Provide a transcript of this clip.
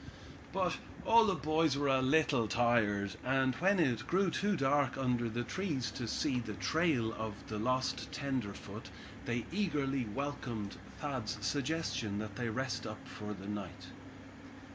But all the boys were a little tired, and when it grew too dark under the trees to see the trail of the lost tenderfoot they eagerly welcomed Thad's suggestion that they rest up for the night.